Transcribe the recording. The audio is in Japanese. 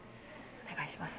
お願いします。